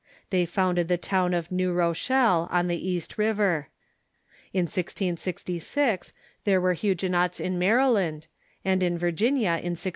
They founded the town of New Rochelle, on the East River. In 1666 there were Hu guenots in Maryland, and in Virginia in 1671.